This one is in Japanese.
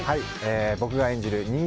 僕が演じる人間